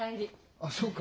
あっそうか。